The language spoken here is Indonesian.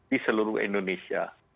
di seluruh indonesia